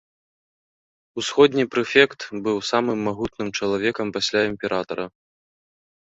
Усходні прэфект быў самым магутным чалавекам пасля імператара.